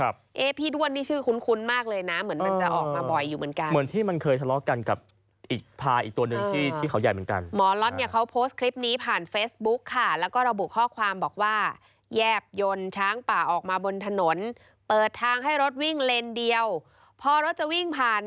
เนี่ยพี่ด้วนนี่ชื่อคุ้นมากเลยนะเหมือนจะออกมาบ่อยอยู่เหมือนกัน